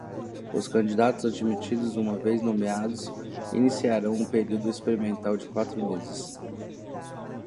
Os candidatos admitidos, uma vez nomeados, iniciarão um período experimental de quatro meses.